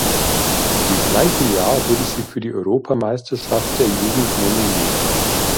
Im gleichen Jahr wurde sie für die Europameisterschaft der Jugend nominiert.